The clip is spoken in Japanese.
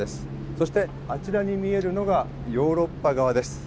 そしてあちらに見えるのがヨーロッパ側です。